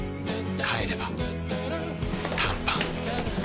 帰れば短パン